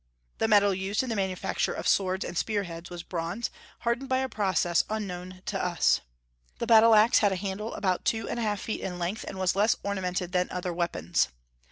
The metal used in the manufacture of swords and spear heads was bronze, hardened by a process unknown to us. The battle axe had a handle about two and a half feet in length, and was less ornamented than other weapons.